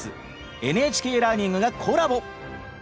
ＮＨＫラーニングがコラボ。